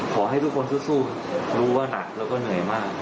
ขอให้ทุกคนสู้รู้ว่าหนักแล้วก็เหนื่อยมาก